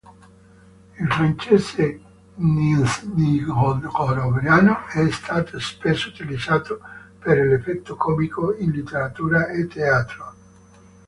Il "francese-nižnijnovgorodiano" è stato spesso utilizzato per l'effetto comico in letteratura e teatro.